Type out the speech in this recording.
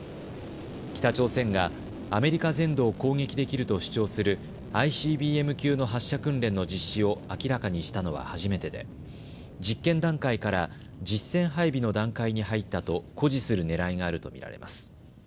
北朝鮮がアメリカ全土を攻撃できると主張するＩＣＢＭ級の発射訓練の実施を明らかにしたのは初めてで実験段階から実戦配備の段階に入ったと誇示するねらいがあるとみられます。